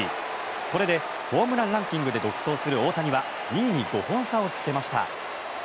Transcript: これでホームランランキングで独走する大谷は２位に５本差をつけました。